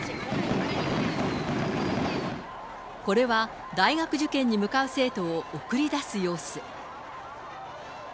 これは、大学受験に向かう生徒を送り出す様子。